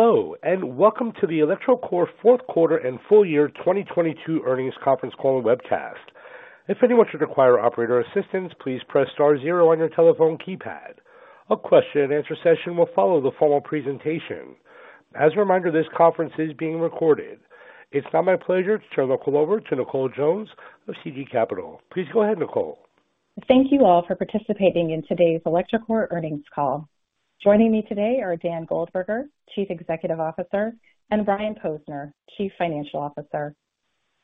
Hello, welcome to the electroCore Fourth Quarter and Full Year 2022 Earnings Conference Call and webcast. If anyone should require operator assistance, please press star zero on your telephone keypad. A question-and-answer session will follow the formal presentation. As a reminder, this conference is being recorded. It's now my pleasure to turn the call over to Nicole Jones of CG Capital. Please go ahead, Nicole. Thank you all for participating in today's electroCore earnings call. Joining me today are Dan Goldberger, Chief Executive Officer, and Brian Posner, Chief Financial Officer.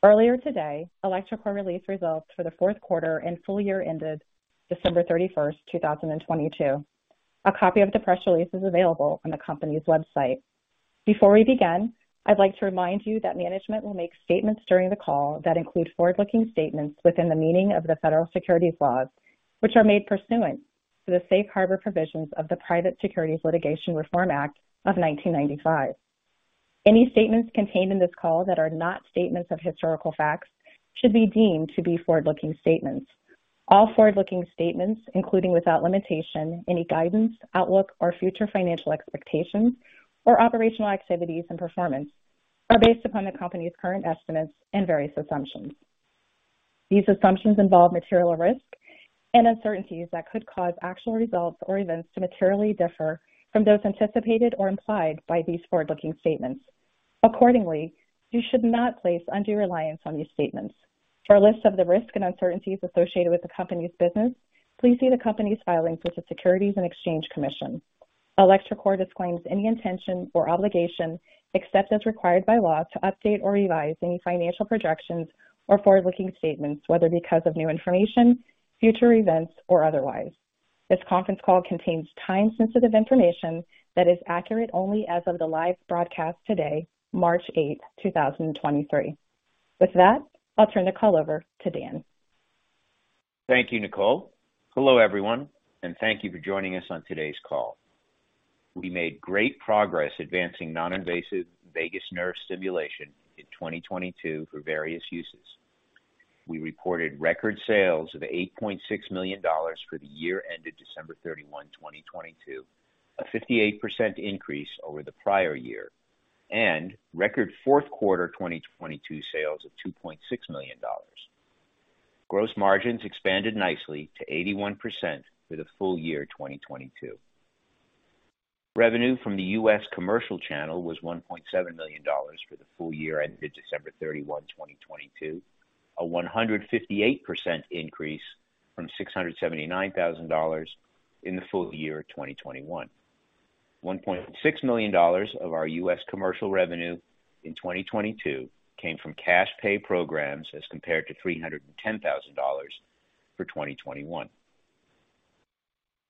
Earlier today, electroCore released results for the fourth quarter and full year ended December 31st, 2022. A copy of the press release is available on the company's website. Before we begin, I'd like to remind you that management will make statements during the call that include forward-looking statements within the meaning of the federal securities laws, which are made pursuant to the safe harbor provisions of the Private Securities Litigation Reform Act of 1995. Any statements contained in this call that are not statements of historical facts should be deemed to be forward-looking statements. All forward-looking statements, including without limitation any guidance, outlook or future financial expectations or operational activities and performance, are based upon the company's current estimates and various assumptions. These assumptions involve material risks and uncertainties that could cause actual results or events to materially differ from those anticipated or implied by these forward-looking statements. Accordingly, you should not place undue reliance on these statements. For a list of the risks and uncertainties associated with the company's business, please see the company's filings with the Securities and Exchange Commission. electroCore disclaims any intention or obligation, except as required by law, to update or revise any financial projections or forward-looking statements, whether because of new information, future events, or otherwise. This conference call contains time-sensitive information that is accurate only as of the live broadcast today, March 8th, 2023. With that, I'll turn the call over to Dan. Thank you, Nicole. Hello, everyone, and thank you for joining us on today's call. We made great progress advancing Non-Invasive Vagus Nerve Stimulation in 2022 for various uses. We reported record sales of $8.6 million for the year ended December 31, 2022, a 58% increase over the prior year, and record fourth quarter 2022 sales of $2.6 million. Gross margins expanded nicely to 81% for the full year 2022. Revenue from the U.S. commercial channel was $1.7 million for the full year ended December 31, 2022, a 158% increase from $679,000 in the full year 2021. $1.6 million of our US commercial revenue in 2022 came from cash pay programs as compared to $310,000 for 2021.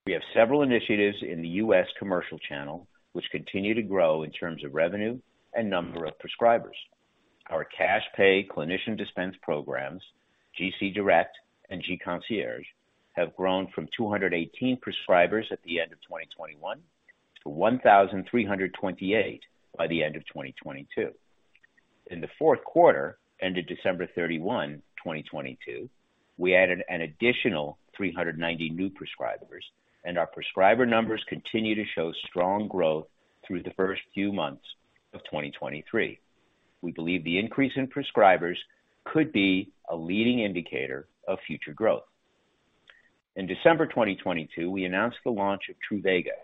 We have several initiatives in the US commercial channel which continue to grow in terms of revenue and number of prescribers. Our cash pay clinician dispense programs, gC Direct and gConcierge, have grown from 218 prescribers at the end of 2021 to 1,328 by the end of 2022. In the fourth quarter ended December 31, 2022, we added an additional 390 new prescribers, and our prescriber numbers continue to show strong growth through the first few months of 2023. We believe the increase in prescribers could be a leading indicator of future growth. In December 2022, we announced the launch of Truvaga,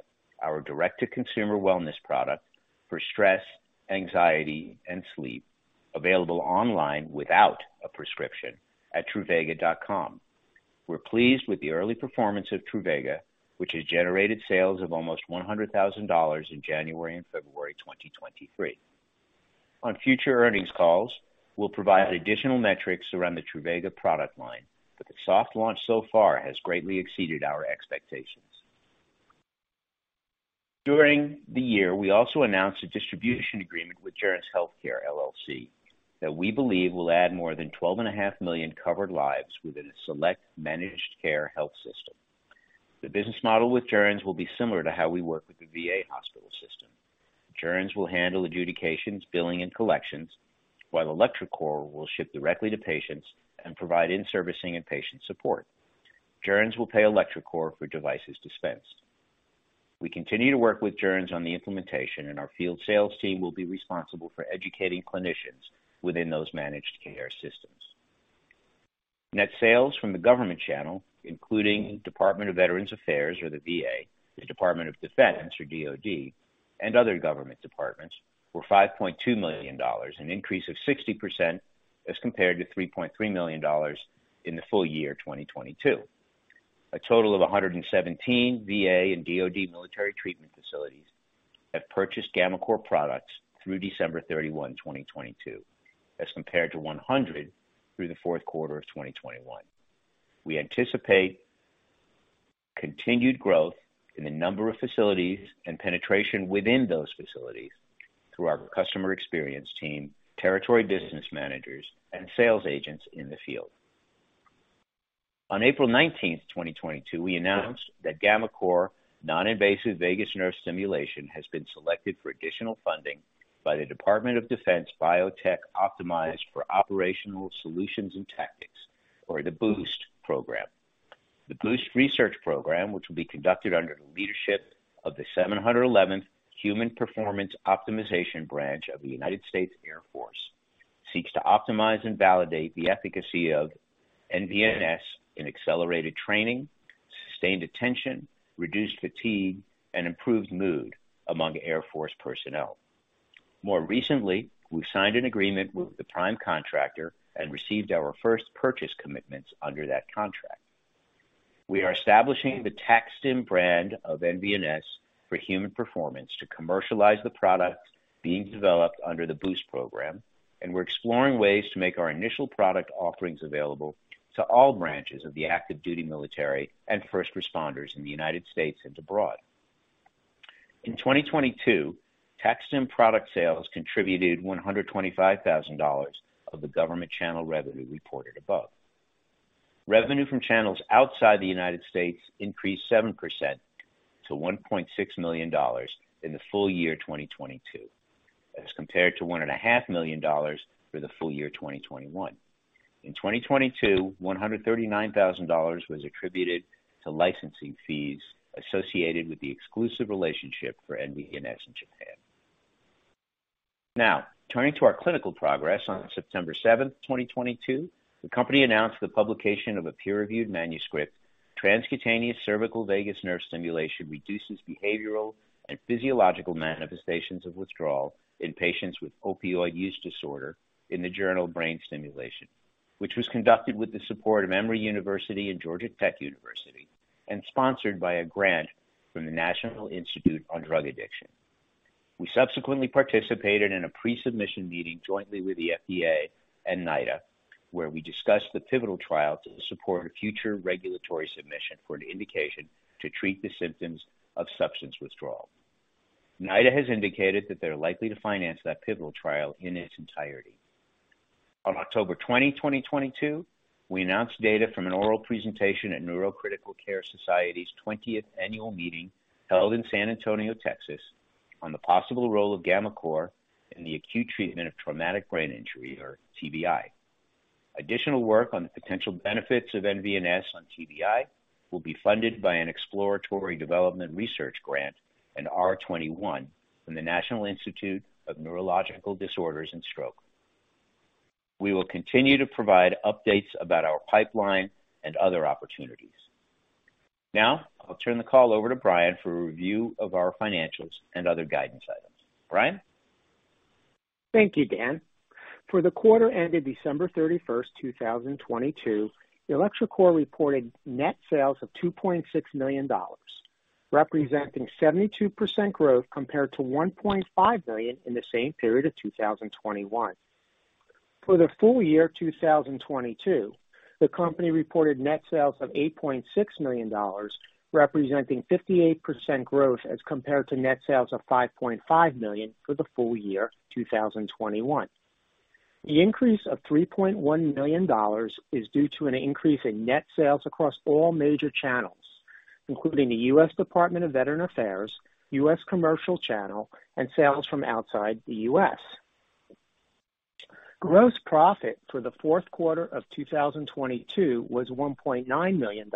our direct-to-consumer wellness product for stress, anxiety, and sleep, available online without a prescription at truvaga.com. We're pleased with the early performance of Truvaga, which has generated sales of almost $100,000 in January and February 2023. On future earnings calls, we'll provide additional metrics around the Truvaga product line, but the soft launch so far has greatly exceeded our expectations. During the year, we also announced a distribution agreement with Joerns Healthcare LLC that we believe will add more than 12.5 million covered lives within a select managed care health system. The business model with Joerns will be similar to how we work with the VA hospital system. Joerns will handle adjudications, billing, and collections, while electroCore will ship directly to patients and provide in-servicing and patient support. Joerns will pay electroCore for devices dispensed. We continue to work with Joerns on the implementation, and our field sales team will be responsible for educating clinicians within those managed care systems. Net sales from the government channel, including Department of Veterans Affairs or the VA, the Department of Defense or DoD, and other government departments, were $5.2 million, an increase of 60% as compared to $3.3 million in the full year 2022. A total of 117 VA and DoD military treatment facilities have purchased gammaCore products through December 31, 2022, as compared to 100 through the fourth quarter of 2021. We anticipate continued growth in the number of facilities and penetration within those facilities through our customer experience team, territory business managers, and sales agents in the field. On April 19, 2022, we announced that gammaCore Non-Invasive Vagus Nerve Stimulation has been selected for additional funding by the Department of Defense Biotech Optimized for Operational Solutions and Tactics, or the BOOST program. The BOOST research program, which will be conducted under the leadership of the 711th Human Performance Optimization branch of the United States Air Force, seeks to optimize and validate the efficacy of nVNS in accelerated training, sustained attention, reduced fatigue, and improved mood among Air Force personnel. More recently, we signed an agreement with the prime contractor and received our first purchase commitments under that contract. We are establishing the TAC-STIM brand of nVNS for human performance to commercialize the product being developed under the BOOST program. We're exploring ways to make our initial product offerings available to all branches of the active duty military and first responders in the United States and abroad. In 2022, TAC-STIM product sales contributed $125,000 of the government channel revenue reported above. Revenue from channels outside the United States increased 7% to $1.6 million in the full year 2022, as compared to one and a half million dollars for the full year 2021. In 2022, $139,000 was attributed to licensing fees associated with the exclusive relationship for nVNS in Japan. Turning to our clinical progress. On September 7th, 2022, the company announced the publication of a peer-reviewed manuscript, Transcutaneous cervical vagus nerve stimulation reduces behavioral and physiological manifestations of withdrawal in patients with opioid use disorder in the journal Brain Stimulation, which was conducted with the support of Emory University and Georgia Tech University. Sponsored by a grant from the National Institute on Drug Abuse. We subsequently participated in a pre-submission meeting jointly with the FDA and NIDA, where we discussed the pivotal trial to support a future regulatory submission for an indication to treat the symptoms of substance withdrawal. NIDA has indicated that they're likely to finance that pivotal trial in its entirety. On October 20, 2022, we announced data from an oral presentation at Neurocritical Care Society's 20th annual meeting held in San Antonio, Texas, on the possible role of gammaCore in the acute treatment of traumatic brain injury, or TBI. Additional work on the potential benefits of nVNS on TBI will be funded by an exploratory development research grant, an R21 from the National Institute of Neurological Disorders and Stroke. We will continue to provide updates about our pipeline and other opportunities. Now, I'll turn the call over to Brian for a review of our financials and other guidance items. Brian? Thank you, Dan. For the quarter ended December 31st, 2022, electroCore reported net sales of $2.6 million, representing 72% growth compared to $1.5 million in the same period of 2021. For the full year 2022, the company reported net sales of $8.6 million, representing 58% growth as compared to net sales of $5.5 million for the full year 2021. The increase of $3.1 million is due to an increase in net sales across all major channels, including the U.S. Department of Veterans Affairs, U.S. Commercial Channel, and sales from outside the U.S. Gross profit for the fourth quarter of 2022 was $1.9 million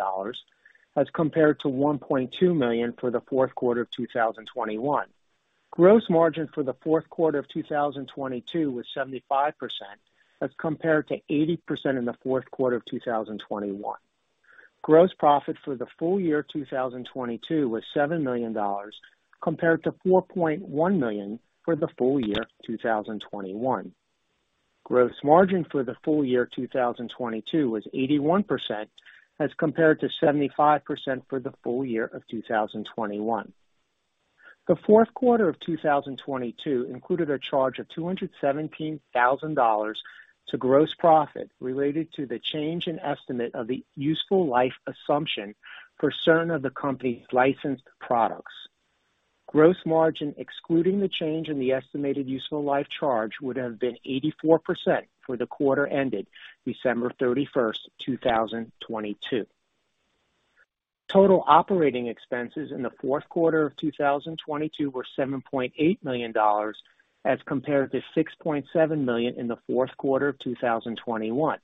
as compared to 1.2 million for the fourth quarter of 2021. Gross margin for the fourth quarter of 2022 was 75% as compared to 80% in the fourth quarter of 2021. Gross profit for the full year 2022 was $7 million compared to 4.1 million for the full year 2021. Gross margin for the full year 2022 was 81% as compared to 75% for the full year of 2021. The fourth quarter of 2022 included a charge of $217,000 to gross profit related to the change in estimate of the useful life assumption for certain of the company's licensed products. Gross margin, excluding the change in the estimated useful life charge, would have been 84% for the quarter ended December 31st, 2022. Total operating expenses in the fourth quarter of 2022 were $7.8 million as compared to 6.7 million in the fourth quarter of 2021.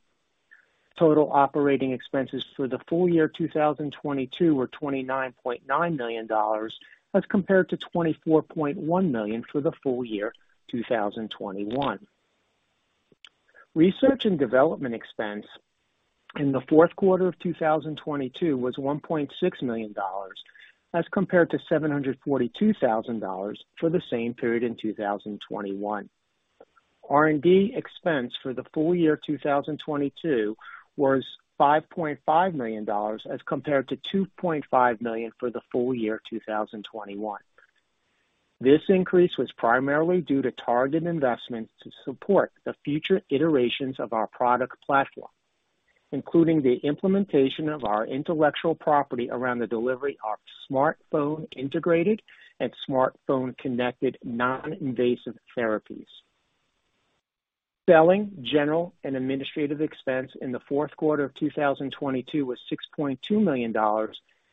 Total operating expenses for the full year 2022 were $29.9 million as compared to 24.1 million for the full year 2022. Research and development expense in the fourth quarter of 2022 was $1.6 million as compared to 742,000 for the same period in 2021. R&D expense for the full year 2022 was $5.5 million as compared to 2.5 million for the full year 2021. This increase was primarily due to targeted investments to support the future iterations of our product platform, including the implementation of our intellectual property around the delivery of smartphone integrated and smartphone connected non-invasive therapies. Selling, general and administrative expense in the fourth quarter of 2022 was $6.2 million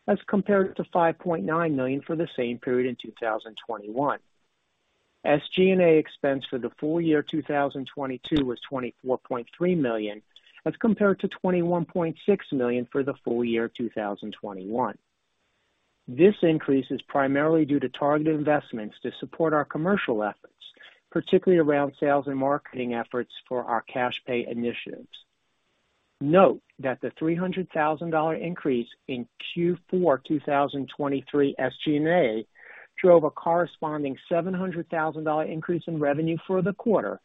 as compared to 5.9 million for the same period in 2021. SG&A expense for the full year 2022 was $24.3 million, as compared to 21.6 million for the full year 2021. This increase is primarily due to targeted investments to support our commercial efforts, particularly around sales and marketing efforts for our cash pay initiatives. Note that the $300,000 increase in Q4 2023 SG&A drove a corresponding $700,000 increase in revenue for the quarter,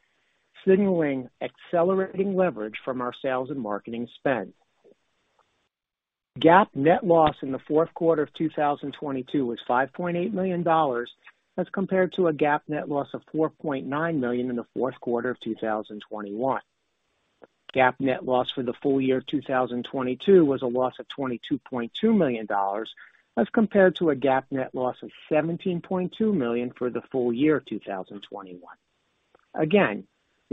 signaling accelerating leverage from our sales and marketing spend. GAAP net loss in the fourth quarter of 2022 was $5.8 million, as compared to a GAAP net loss of $4.9 million in the fourth quarter of 2021. GAAP net loss for the full year 2022 was a loss of $22.2 million, as compared to a GAAP net loss of $17.2 million for the full year 2021. Again,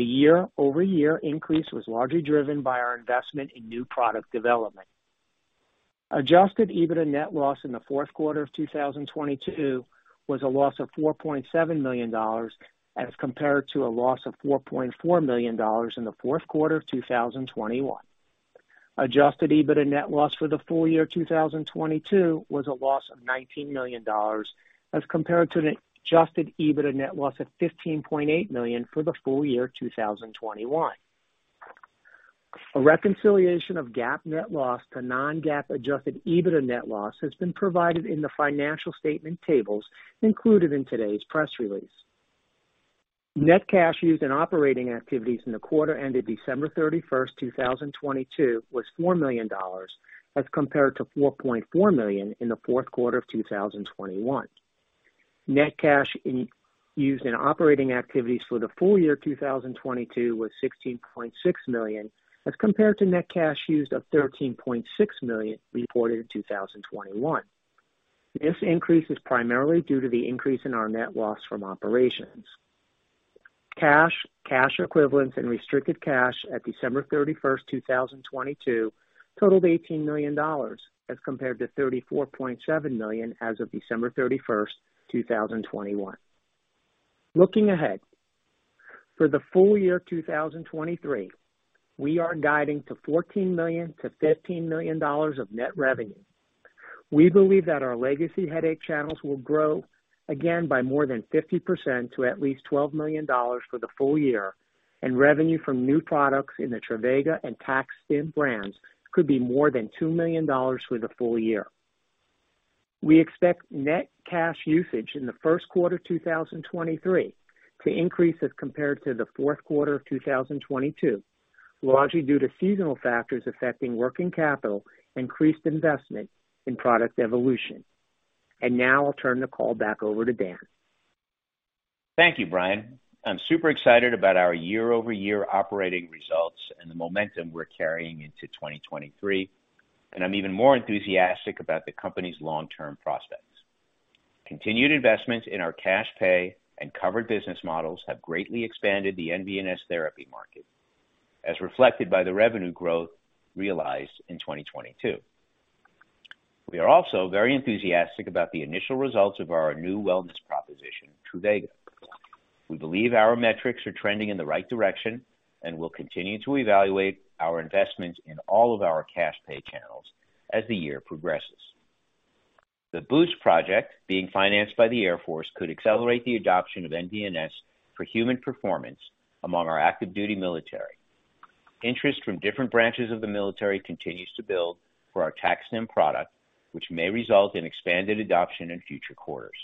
the year-over-year increase was largely driven by our investment in new product development. Adjusted EBITDA net loss in the fourth quarter of 2022 was a loss of $4.7 million, as compared to a loss of 4.4 million in the fourth quarter of 2021. Adjusted EBITDA net loss for the full year 2022 was a loss of $19 million, as compared to an Adjusted EBITDA net loss of $15.8 million for the full year 2021. A reconciliation of GAAP net loss to non-GAAP Adjusted EBITDA net loss has been provided in the financial statement tables included in today's press release. Net cash used in operating activities in the quarter ended December 31, 2022 was $4 million, as compared to 4.4 million in the fourth quarter of 2021. Net cash used in operating activities for the full year 2022 was $16.6 million, as compared to net cash used of $13.6 million reported in 2021. This increase is primarily due to the increase in our net loss from operations. Cash, cash equivalents and restricted cash at December 31st, 2022 totaled $18 million, as compared to 34.7 million as of December 31st, 2021. Looking ahead, for the full year 2023, we are guiding to $14 million-15 million of net revenue. We believe that our legacy headache channels will grow again by more than 50% to at least $12 million for the full year, and revenue from new products in the Truvaga and TAC-STIM brands could be more than $2 million for the full year. We expect net cash usage in the first quarter 2023 to increase as compared to the fourth quarter of 2022, largely due to seasonal factors affecting working capital, increased investment in product evolution. Now I'll turn the call back over to Dan. Thank you, Brian. I'm super excited about our year-over-year operating results and the momentum we're carrying into 2023, and I'm even more enthusiastic about the company's long-term prospects. Continued investments in our cash pay and covered business models have greatly expanded the nVNS therapy market, as reflected by the revenue growth realized in 2022. We are also very enthusiastic about the initial results of our new wellness proposition, Truvaga. We believe our metrics are trending in the right direction and will continue to evaluate our investment in all of our cash pay channels as the year progresses. The BOOST project being financed by the Air Force could accelerate the adoption of nVNS for human performance among our active duty military. Interest from different branches of the military continues to build for our TAC-STIM product, which may result in expanded adoption in future quarters.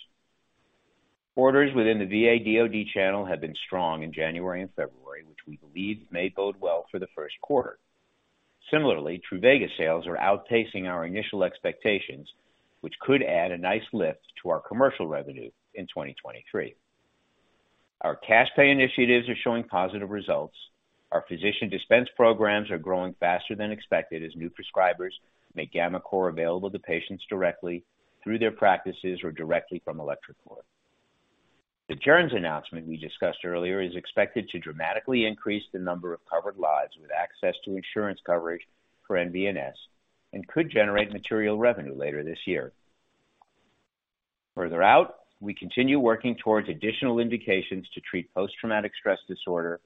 Orders within the VA/DoD channelV have been strong in January and February, which we believe may bode well for the first quarter. Similarly, Truvaga sales are outpacing our initial expectations, which could add a nice lift to our commercial revenue in 2023. Our cash pay initiatives are showing positive results. Our physician dispense programs are growing faster than expected as new prescribers make gammaCore available to patients directly through their practices or directly from electroCore. The Joerns announcement we discussed earlier is expected to dramatically increase the number of covered lives with access to insurance coverage for nVNS and could generate material revenue later this year. Further out, we continue working towards additional indications to treat Post-Traumatic Stress Disorder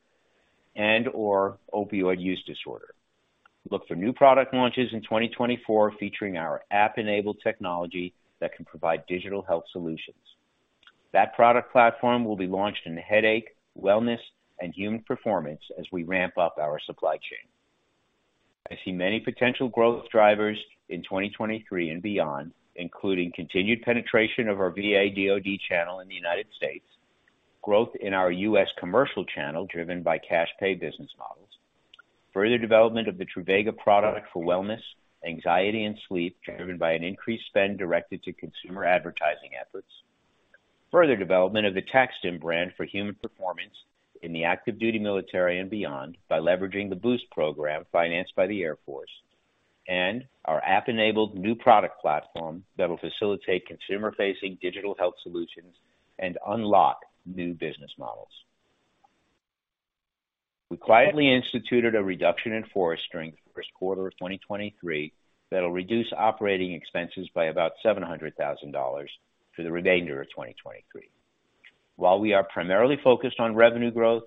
and/or Opioid Use Disorder. Look for new product launches in 2024 featuring our app-enabled technology that can provide digital health solutions. That product platform will be launched in headache, wellness, and human performance as we ramp up our supply chain. I see many potential growth drivers in 2023 and beyond, including continued penetration of our VA/DoD channel in the United States, growth in our U.S. commercial channel driven by cash pay business models, further development of the Truvaga product for wellness, anxiety, and sleep driven by an increased spend directed to consumer advertising efforts. Further development of the TAC-STIM brand for human performance in the active duty military and beyond by leveraging the BOOST program financed by the Air Force. Our app-enabled new product platform that will facilitate consumer-facing digital health solutions and unlock new business models. We quietly instituted a reduction in force during the first quarter of 2023 that'll reduce operating expenses by about $700,000 through the remainder of 2023. While we are primarily focused on revenue growth,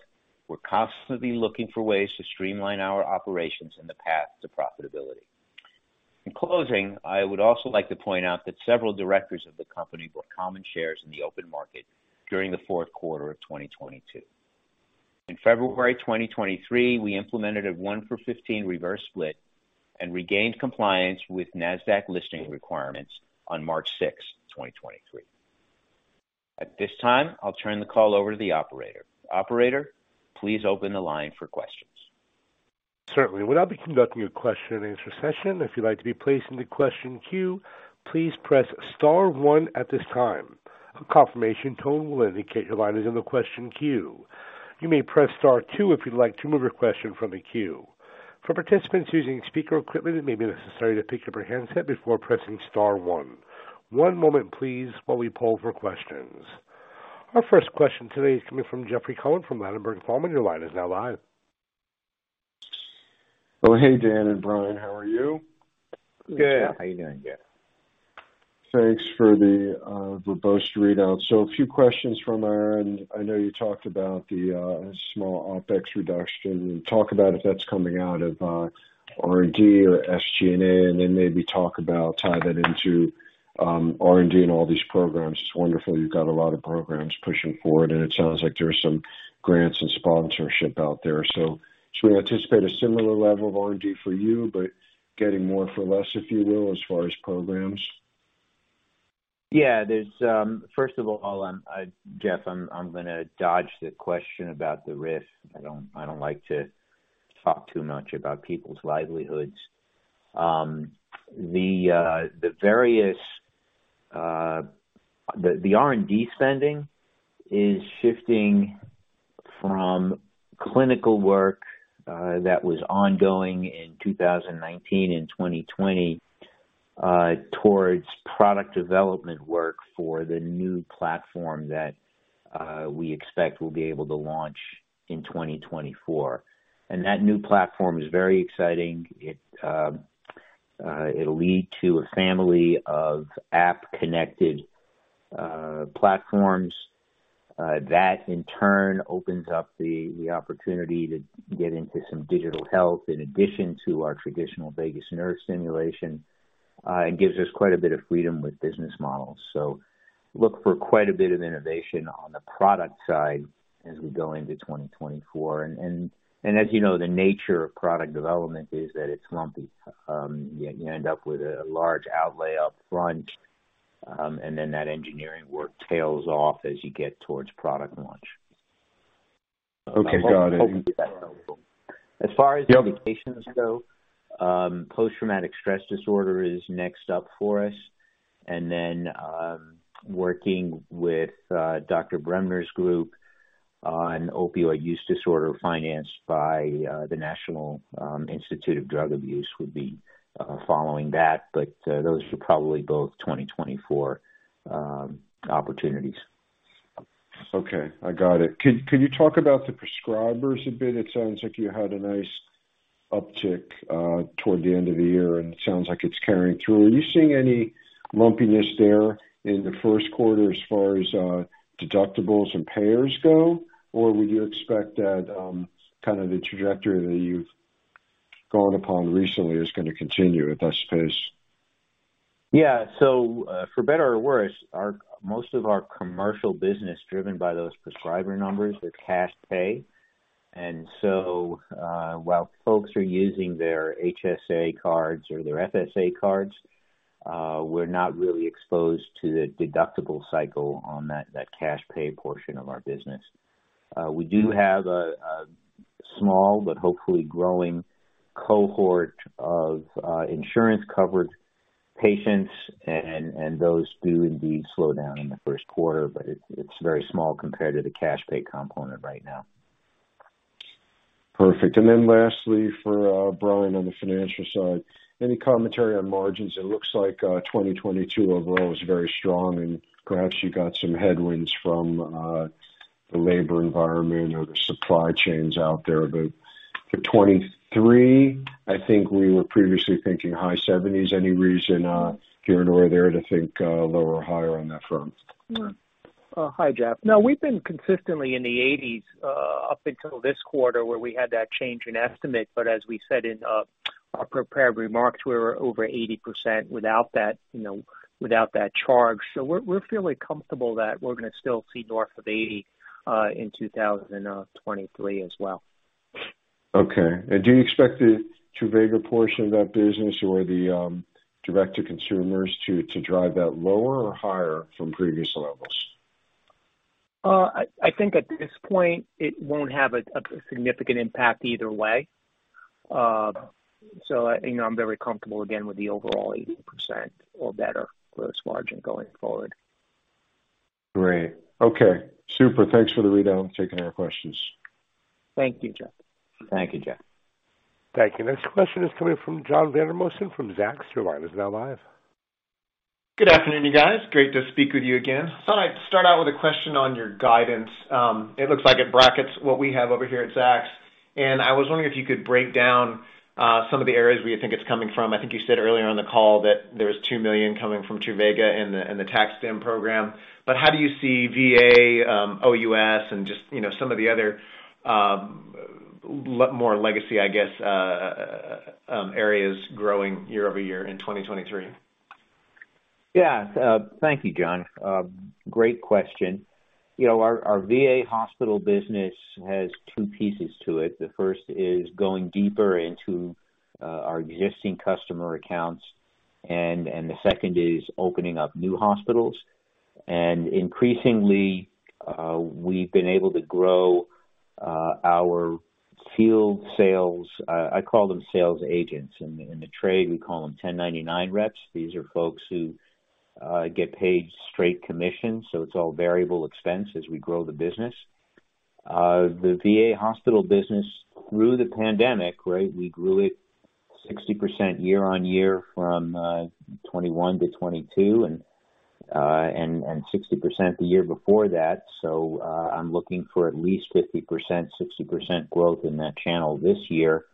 we're constantly looking for ways to streamline our operations in the path to profitability. In closing, I would also like to point out that several directors of the company bought common shares in the open market during the fourth quarter of 2022. In February 2023, we implemented a one for 15 reverse split and regained compliance with Nasdaq listing requirements on March 6th, 2023. At this time, I'll turn the call over to the operator. Operator, please open the line for questions. Certainly. We'll now be conducting a question and answer session. If you'd like to be placed in the question queue, please press star one at this time. A confirmation tone will indicate your line is in the question queue. You may press star two if you'd like to remove your question from the queue. For participants using speaker equipment, it may be necessary to pick up your handset before pressing star one. One moment please while we poll for questions. Our first question today is coming from Jeffrey Cohen from Ladenburg Thalmann. Your line is now live. Oh, hey, Dan and Brian, how are you? Good. How you doing, Jeff? Thanks for the verbose readout. A few questions from our end. I know you talked about the small OpEx reduction. Talk about if that's coming out of R&D or SG&A, and then maybe talk about tie that into R&D and all these programs. It's wonderful you've got a lot of programs pushing forward, and it sounds like there's some grants and sponsorship out there. Should we anticipate a similar level of R&D for you, but getting more for less, if you will, as far as programs? Yeah. First of all, I'll Jeff, I'm gonna dodge the question about the RIF. I don't like to talk too much about people's livelihoods. The various R&D spending is shifting from clinical work that was ongoing in 2019 and 2020 towards product development work for the new platform that we expect we'll be able to launch in 2024. That new platform is very exciting. It'll lead to a family of app-connected platforms that in turn opens up the opportunity to get into some digital health in addition to our traditional vagus nerve stimulation and gives us quite a bit of freedom with business models. Look for quite a bit of innovation on the product side as we go into 2024. And as you know, the nature of product development is that it's lumpy. you end up with a large outlay up front, and then that engineering work tails off as you get towards product launch. Okay. Got it. Hopefully that's helpful. Yep. As far as the indications go, Post-Traumatic Stress Disorder is next up for us. Then, working with Dr. Bremner's group on opioid use disorder financed by the National Institute on Drug Abuse would be following that. Those are probably both 2024 opportunities. Okay. I got it. Can you talk about the prescribers a bit? It sounds like you had a nice uptick toward the end of the year, and it sounds like it's carrying through. Are you seeing any lumpiness there in the first quarter as far as deductibles and payers go? Or would you expect that kind of the trajectory that you've gone upon recently is gonna continue at this pace? For better or worse, most of our commercial business driven by those prescriber numbers are cash pay. While folks are using their HSA cards or their FSA cards, we're not really exposed to the deductible cycle on that cash pay portion of our business. We do have a small but hopefully growing cohort of insurance-covered patients and those do indeed slow down in the first quarter, but it's very small compared to the cash pay component right now. Perfect. Lastly for Brian on the financial side, any commentary on margins? It looks like 2022 overall was very strong and perhaps you got some headwinds from the labor environment or the supply chains out there. For 2023, I think we were previously thinking high 70s%. Any reason here nor there to think lower or higher on that front? Hi, Jeff. No, we've been consistently in the 1980s, up until this quarter where we had that change in estimate. As we said in our prepared remarks, we're over 80% without that, you know, without that charge. We're, we're feeling comfortable that we're gonna still see north of 80% in 2023 as well. Okay. Do you expect the Truvaga portion of that business or the direct to consumers to drive that lower or higher from previous levels? I think at this point it won't have a significant impact either way. I, you know, I'm very comfortable again with the overall 80% or better gross margin going forward. Great. Okay. Super. Thanks for the readout and taking our questions. Thank you, Jeff. Thank you, Jeff. Thank you. Next question is coming from John Vandermosten from Zacks. Your line is now live. Good afternoon, you guys. Great to speak with you again. Thought I'd start out with a question on your guidance. It looks like it brackets what we have over here at Zacks, and I was wondering if you could break down some of the areas where you think it's coming from. I think you said earlier on the call that there was $2 million coming from Truvaga and the TAC-STIM program. How do you see VA, OUS and just, you know, some of the other more legacy, I guess, areas growing year-over-year in 2023? Yeah. Thank you, John. Great question. You know, our VA hospital business has two pieces to it. The first is going deeper into our existing customer accounts and the second is opening up new hospitals. Increasingly, we've been able to grow our field sales, I call them sales agents. In the trade, we call them 1099 reps. These are folks who get paid straight commission, so it's all variable expense as we grow the business. The VA hospital business through the pandemic, right, we grew it 60% year-over-year from 2021 to 2022 and 60% the year before that. I'm looking for at least 50%, 60% growth in that channel this year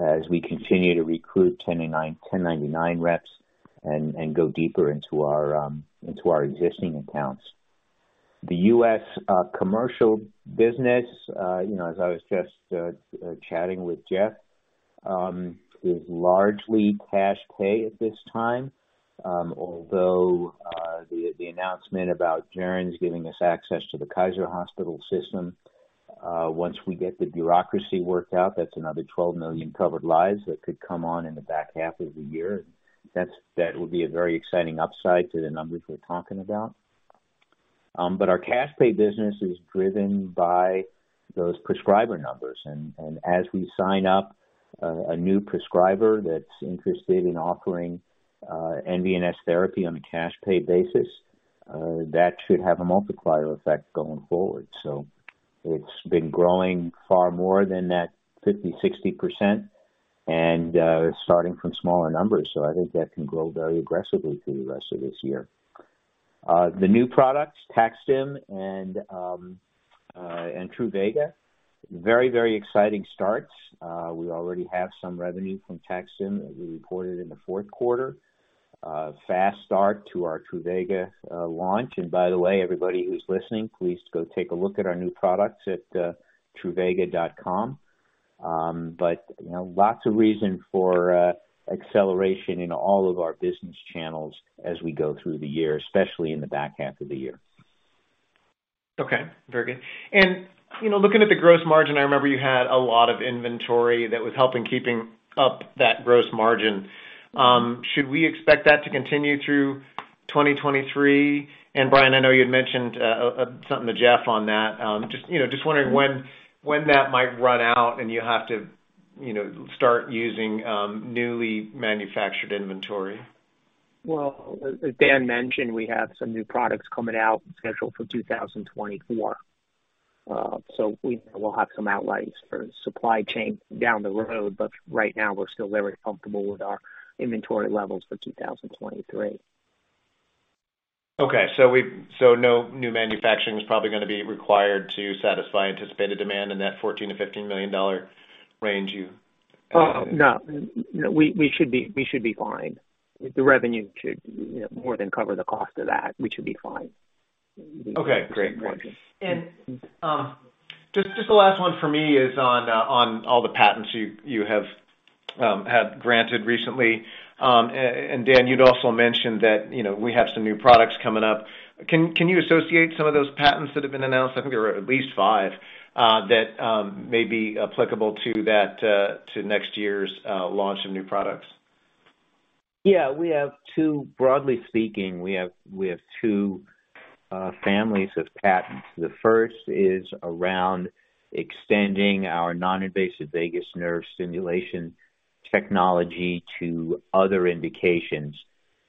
as we continue to recruit 1099 reps and go deeper into our existing accounts. The U.S. commercial business, you know, as I was just chatting with Jeff, is largely cash pay at this time. Although the announcement about Joerns giving us access to the Kaiser Permanente system, once we get the bureaucracy worked out, that's another 12 million covered lives that could come on in the back half of the year. That will be a very exciting upside to the numbers we're talking about. Our cash pay business is driven by those prescriber numbers. As we sign up a new prescriber that's interested in offering nVNS therapy on a cash pay basis, that should have a multiplier effect going forward. It's been growing far more than that 50%, 60% and starting from smaller numbers. I think that can grow very aggressively through the rest of this year. The new products, TAC-STIM and Truvaga, very, very exciting starts. We already have some revenue from TAC-STIM that we reported in the fourth quarter. Fast start to our Truvaga launch. By the way, everybody who's listening, please go take a look at our new products at truvaga.com. You know, lots of reason for acceleration in all of our business channels as we go through the year, especially in the back half of the year. Okay, very good. You know, looking at the gross margin, I remember you had a lot of inventory that was helping keeping up that gross margin. Should we expect that to continue through 2023? Brian, I know you had mentioned something to Jeff on that. Just, you know, just wondering when that might run out and you have to, you know, start using newly manufactured inventory. Well, as Dan mentioned, we have some new products coming out scheduled for 2024. We will have some outlays for supply chain down the road, but right now we're still very comfortable with our inventory levels for 2023. Okay. No new manufacturing is probably going to be required to satisfy anticipated demand in that $14 million-15 million range. No. We should be fine. The revenue should, you know, more than cover the cost of that. We should be fine. Okay, great. Just the last one for me is on all the patents you have had granted recently. Dan, you'd also mentioned that, you know, we have some new products coming up. Can you associate some of those patents that have been announced, I think there were at least five, that may be applicable to that to next year's launch of new products? Yeah. We have two. Broadly speaking, we have two families of patents. The first is around extending our Non-Invasive Vagus Nerve Stimulation technology to other indications.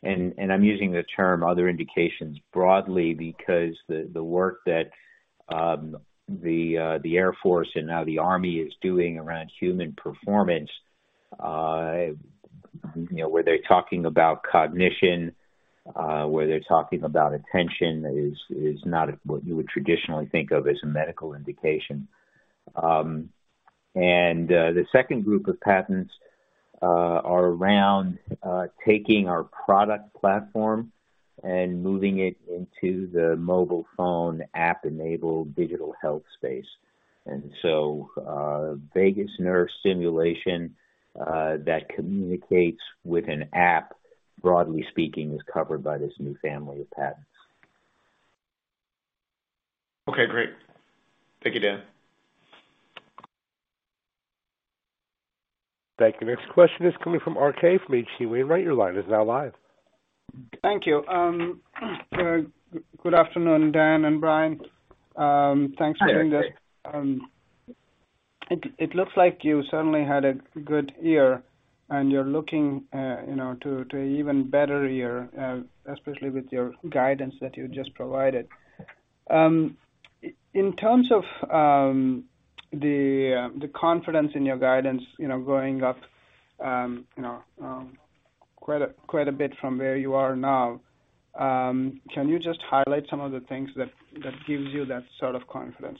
I'm using the term other indications broadly because the work that the Air Force and now the Army is doing around human performance, you know, where they're talking about cognition, where they're talking about attention, is not what you would traditionally think of as a medical indication. The second group of patents are around taking our product platform and moving it into the mobile phone app-enabled digital health space. vagus nerve stimulation that communicates with an app, broadly speaking, is covered by this new family of patents. Okay, great. Thank you, Dan. Thank you. Next question is coming from RK from H.C. Wainwright. Your line is now live. Thank you. Good afternoon, Dan and Brian. Thanks for doing this. Hi, RK. It looks like you certainly had a good year and you're looking, you know, to even better year, especially with your guidance that you just provided. In terms of The confidence in your guidance, you know, going up, you know, quite a bit from where you are now. Can you just highlight some of the things that gives you that sort of confidence?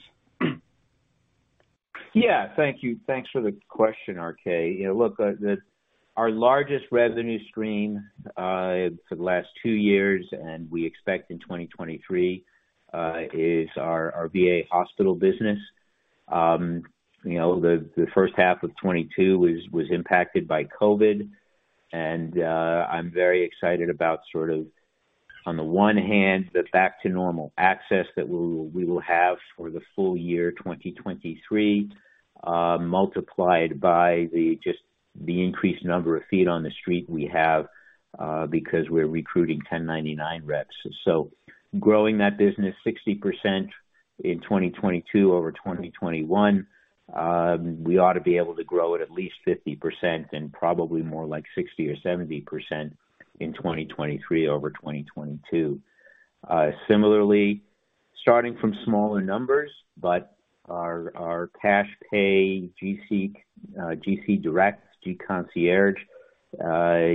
Yeah. Thank you. Thanks for the question, RK. You know, look, our largest revenue stream for the last two years, and we expect in 2023, is our VA hospital business. You know, the first half of 2022 was impacted by COVID. I'm very excited about sort of on the one hand, the back to normal access that we will have for the full year 2023, multiplied by the just the increased number of feet on the street we have, because we're recruiting 1099 reps. Growing that business 60% in 2022 over 2021, we ought to be able to grow it at least 50% and probably more like 60% or 70% in 2023 over 2022. Similarly, starting from smaller numbers, but our cash pay gC Direct, gConcierge,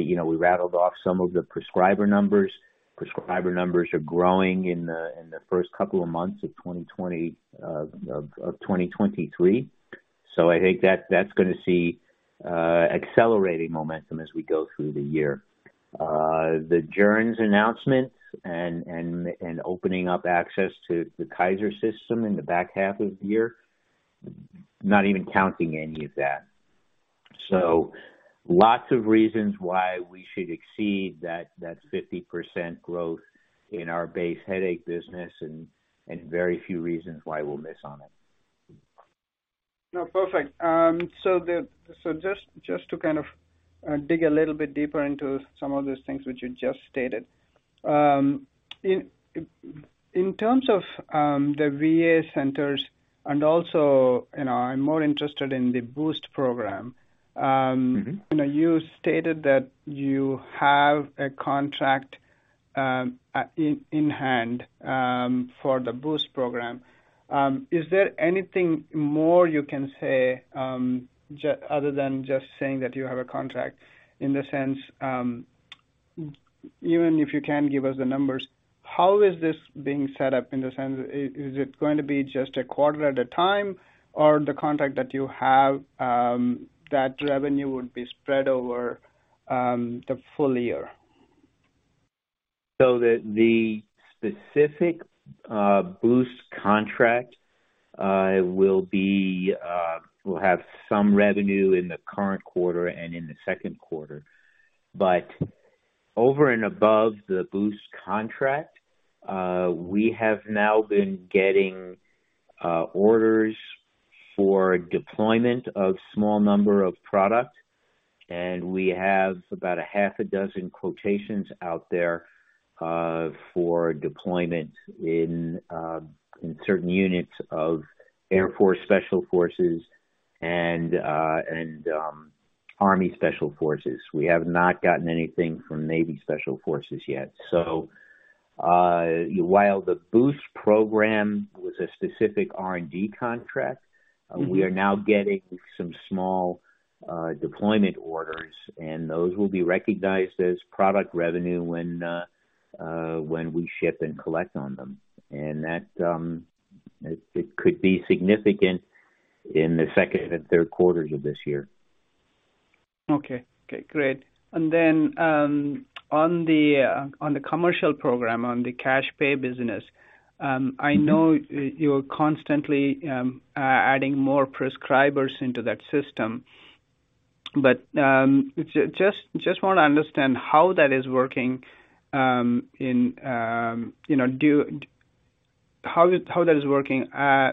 you know, we rattled off some of the prescriber numbers. Prescriber numbers are growing in the first couple of months of 2023. I think that's gonna see accelerating momentum as we go through the year. The Joerns announcement and opening up access to the Kaiser Permanente system in the back half of the year, not even counting any of that. Lots of reasons why we should exceed that 50% growth in our base headache business and very few reasons why we'll miss on it. No, perfect. Just to kind of, dig a little bit deeper into some of those things which you just stated. In terms of the VA centers and also, you know, I'm more interested in the BOOST program. You know, you stated that you have a contract in hand for the BOOST program. Is there anything more you can say other than just saying that you have a contract? In the sense, even if you can give us the numbers, how is this being set up? In the sense, is it going to be just a quarter at a time or the contract that you have that revenue would be spread over the full year? The specific BOOST contract will be, will have some revenue in the current quarter and in the second quarter. Over and above the BOOST contract, we have now been getting orders for deployment of small number of product, and we have about a half a dozen quotations out there, for deployment in certain units of Air Force Special Forces and Army Special Forces. We have not gotten anything from Navy Special Forces yet. While the BOOST program was a specific R&D contract, We are now getting some small deployment orders, those will be recognized as product revenue when we ship and collect on them. That, it could be significant in the second and third quarters of this year. Okay. Okay, great. Then, on the commercial program, on the cash pay. I know you're constantly adding more prescribers into that system, but just wanna understand how that is working, in, you know, how that is working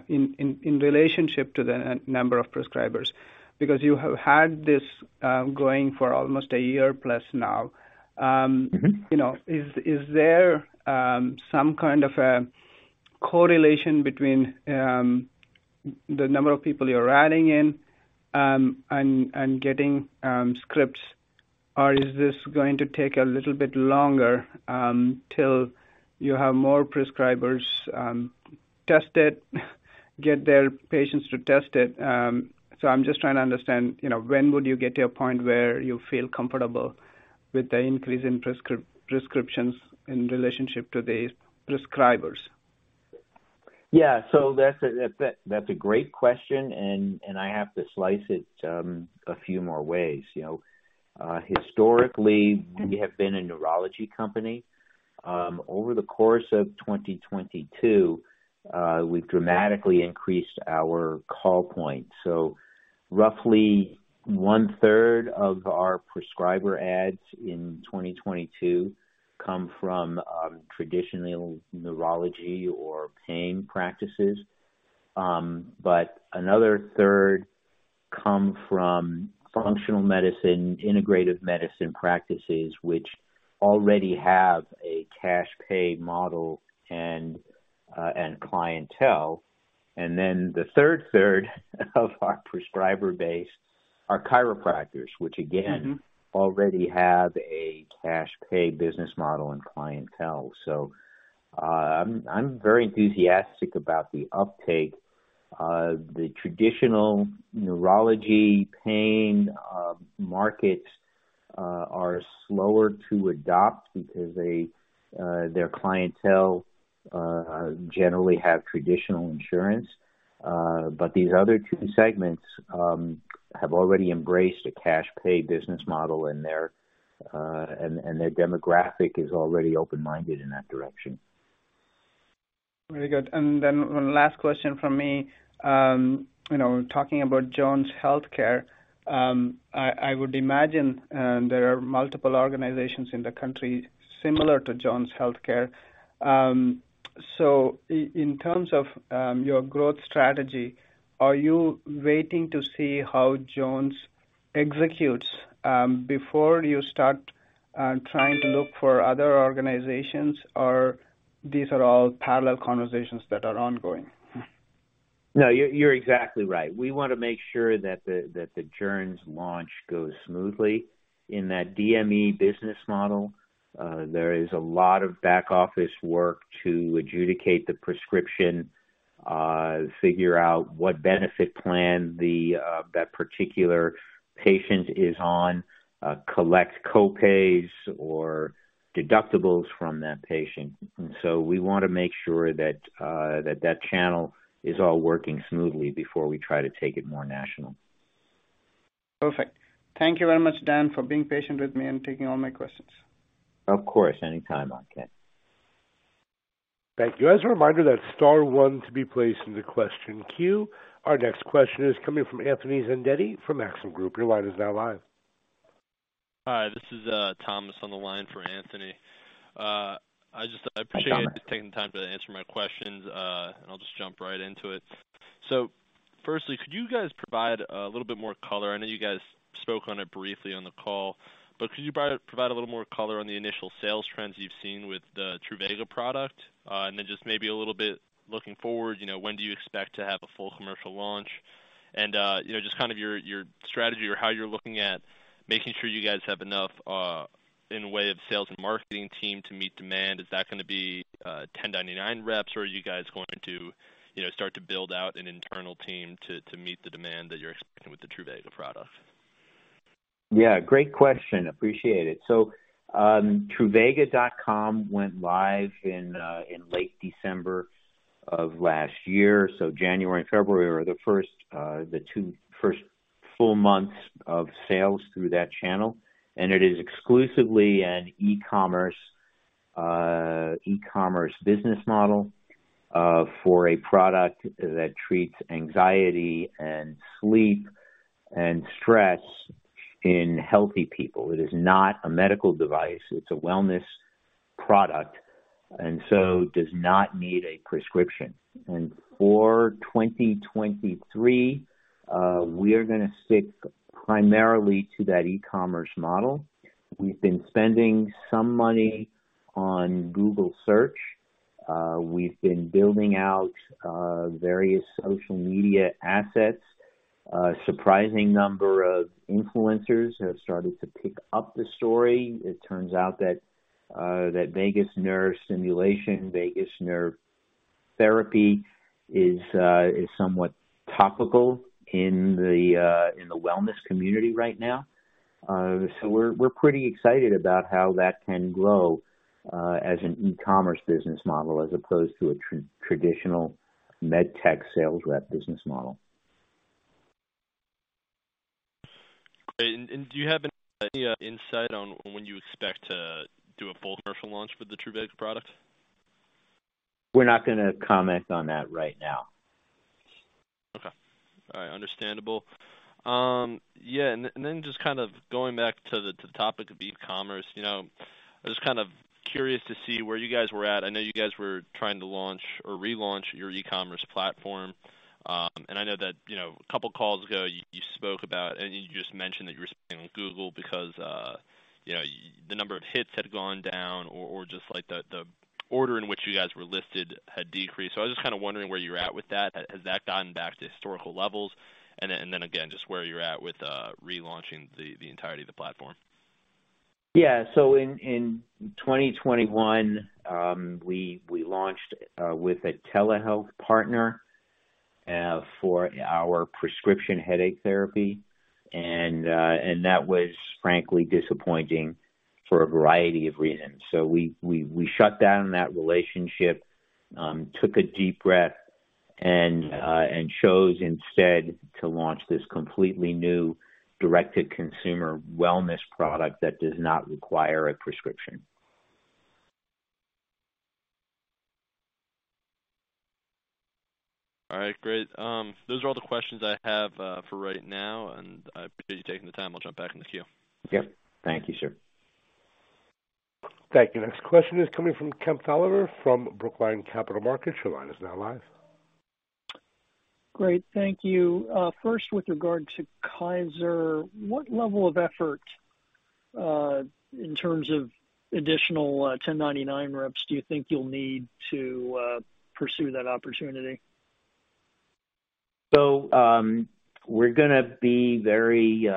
in relationship to the number of prescribers? Because you have had this going for almost a year+ now. You know, is there some kind of a correlation between the number of people you're adding in and getting scripts? Is this going to take a little bit longer till you have more prescribers tested, get their patients to test it? I'm just trying to understand, you know, when would you get to a point where you feel comfortable with the increase in prescriptions in relationship to the prescribers? Yeah. That's a great question, and I have to slice it a few more ways. You know. Historically, we have been a neurology company. Over the course of 2022, we've dramatically increased our call point. Roughly one-third of our prescriber ads in 2022 come from traditional neurology or pain practices. Another third come from functional medicine, integrative medicine practices, which already have a cash pay model and clientele. The third third of our prescriber base are chiropractors, which again already have a cash pay business model and clientele. I'm very enthusiastic about the uptake. The traditional neurology pain markets are slower to adopt because they their clientele generally have traditional insurance. These other two segments have already embraced a cash pay business model, their, and their demographic is already open-minded in that direction. Very good. Then one last question from me. You know, talking about Joerns Healthcare, I would imagine, there are multiple organizations in the country similar to Joerns Healthcare. So in terms of your growth strategy, are you waiting to see how Joerns executes, before you start trying to look for other organizations? These are all parallel conversations that are ongoing? No, you're exactly right. We wanna make sure that the Joerns launch goes smoothly. In that DME business model, there is a lot of back-office work to adjudicate the prescription, figure out what benefit plan the that particular patient is on, collect co-pays or deductibles from that patient. We wanna make sure that that channel is all working smoothly before we try to take it more national. Perfect. Thank you very much, Dan, for being patient with me and taking all my questions. Of course. Anytime, Ramakanth. Thank you. As a reminder, that's star one to be placed in the question queue. Our next question is coming from Anthony Vendetti from Maxim Group. Your line is now live. Hi, this is Thomas on the line for Anthony. Hi, Thomas. I appreciate you taking the time to answer my questions. I'll just jump right into it. Firstly, could you guys provide a little bit more color? I know you guys spoke on it briefly on the call, but could you provide a little more color on the initial sales trends you've seen with the Truvaga product? Then just maybe a little bit looking forward, you know, when do you expect to have a full commercial launch? You know, just kind of your strategy or how you're looking at making sure you guys have enough in way of sales and marketing team to meet demand. Is that gonna be 1099 reps or are you guys going to, you know, start to build out an internal team to meet the demand that you're expecting with the Truvaga product? Yeah, great question. Appreciate it. truvaga.com went live in late December of last year. January and February were the first two full months of sales through that channel. It is exclusively an e-commerce business model for a product that treats anxiety and sleep and stress in healthy people. It is not a medical device. It's a wellness product and so does not need a prescription. For 2023, we're gonna stick primarily to that e-commerce model. We've been spending some money on Google Search. We've been building out various social media assets. A surprising number of influencers have started to pick up the story. It turns out that vagus nerve stimulation, vagus nerve therapy is somewhat topical in the wellness community right now. We're pretty excited about how that can grow, as an e-commerce business model as opposed to a traditional medtech sales rep business model. Great. And, and do you have any insight on when you expect to do a full commercial launch for the Truvaga product? We're not gonna comment on that right now. Okay. All right. Understandable. Yeah, then just kind of going back to the topic of e-commerce. You know, I was kind of curious to see where you guys were at. I know you guys were trying to launch or relaunch your e-commerce platform. I know that, you know, a couple of calls ago you spoke about and you just mentioned that you were spending on Google because, you know, the number of hits had gone down or just like the order in which you guys were listed had decreased. I was just kind of wondering where you're at with that. Has that gotten back to historical levels? Then again, just where you're at with relaunching the entirety of the platform. In 2021, we launched with a telehealth partner for our prescription headache therapy. That was frankly disappointing for a variety of reasons. We shut down that relationship, took a deep breath and chose instead to launch this completely new direct-to-consumer wellness product that does not require a prescription. All right, great. Those are all the questions I have for right now. I appreciate you taking the time. I'll jump back in the queue. Yep. Thank you, sir. Thank you. Next question is coming from Kemp Dolliver from Brookline Capital Markets. Your line is now live. Great. Thank you. First, with regard to Kaiser, what level of effort in terms of additional, 1099 reps, do you think you'll need to pursue that opportunity? We're gonna be very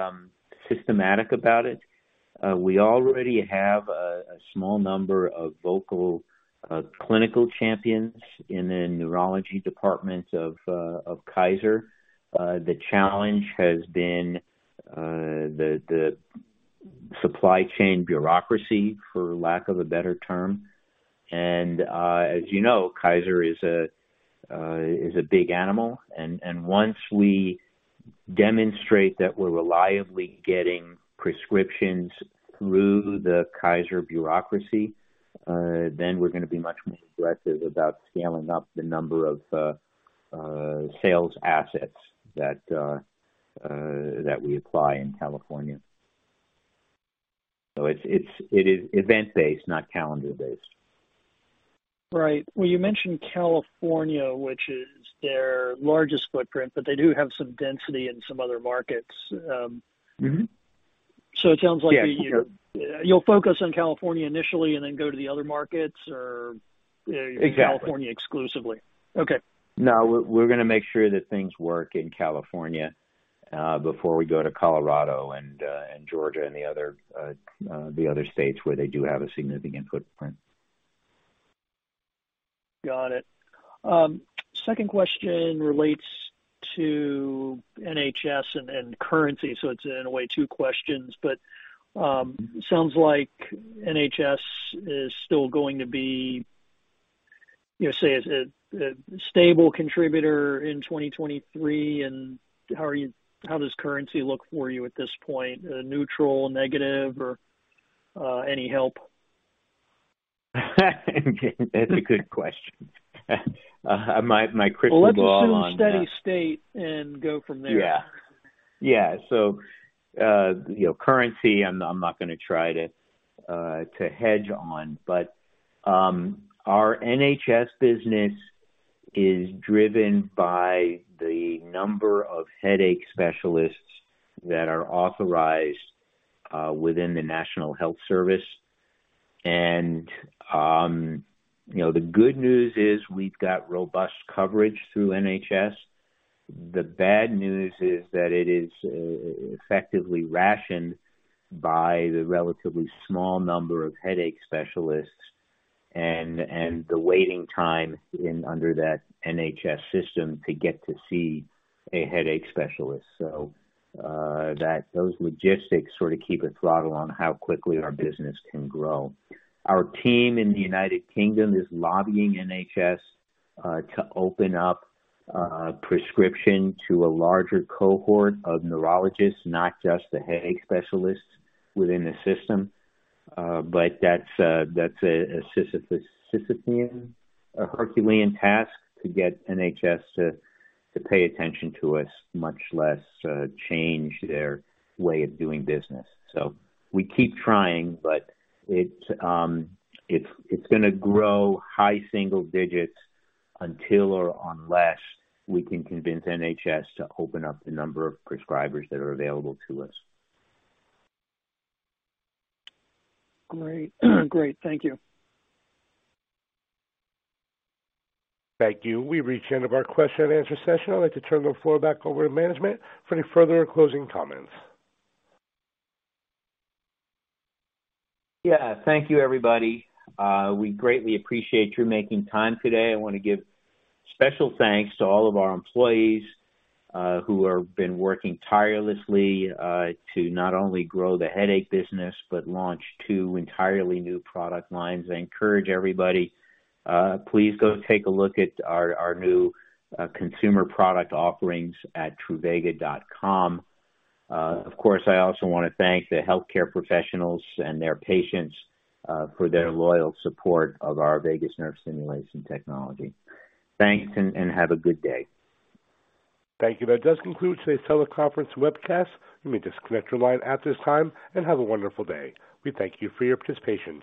systematic about it. We already have a small number of vocal clinical champions in the neurology department of Kaiser. The challenge has been the supply chain bureaucracy, for lack of a better term. As you know, Kaiser is a big animal. Once we demonstrate that we're reliably getting prescriptions through the Kaiser bureaucracy, then we're gonna be much more aggressive about scaling up the number of sales assets that we apply in California. It's, it's, it is event-based, not calendar-based. Right. Well, you mentioned California, which is their largest footprint, but they do have some density in some other markets. It sounds like Yes. You'll focus on California initially and then go to the other markets or- Exactly. California exclusively. Okay. No, we're gonna make sure that things work in California, before we go to Colorado and Georgia and the other states where they do have a significant footprint. Got it. second question relates to NHS and currency, so it's in a way two questions, but sounds like NHS is still going to be, you know, say a stable contributor in 2023. How does currency look for you at this point? Neutral, negative, or any help? That's a good question. My crystal ball. Let's assume steady state and go from there. Yeah. Yeah. You know, currency, I'm not gonna try to hedge on, but our NHS business is driven by the number of headache specialists that are authorized within the National Health Service. You know, the good news is we've got robust coverage through NHS. The bad news is that it is effectively rationed by the relatively small number of headache specialists and the waiting time in under that NHS system to get to see a headache specialist. That, those logistics sort of keep a throttle on how quickly our business can grow. Our team in the United Kingdom is lobbying NHS to open up prescription to a larger cohort of neurologists, not just the headache specialists within the system. That's a Sisyphean, a Herculean task to get NHS to pay attention to us, much less change their way of doing business. We keep trying, but it's gonna grow high single digits until or unless we can convince NHS to open up the number of prescribers that are available to us. Great. Great. Thank you. Thank you. We've reached the end of our question and answer session. I'd like to turn the floor back over to management for any further closing comments. Yeah. Thank you, everybody. We greatly appreciate you making time today. I wanna give special thanks to all of our employees, who are been working tirelessly, to not only grow the headache business, but launch two entirely new product lines. I encourage everybody, please go take a look at our new, consumer product offerings at truvaga.com. Of course, I also wanna thank the healthcare professionals and their patients, for their loyal support of our Vagus Nerve Stimulation technology. Thanks and have a good day. Thank you. That does conclude today's teleconference webcast. You may disconnect your line at this time and have a wonderful day. We thank you for your participation.